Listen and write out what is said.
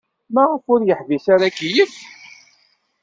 Maɣef ur yeḥbis ara akeyyef?